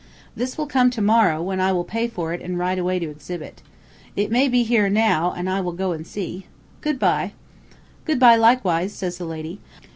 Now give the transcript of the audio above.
This will come to morrow, when I will pay for it an' ride away to exhibit. It may be here now, an' I will go an' see. Good bye.' "'Good bye, likewise,' says the lady.